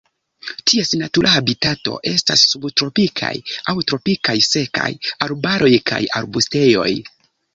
Ties natura habitato estas subtropikaj aŭ tropikaj sekaj arbaroj kaj arbustejoj.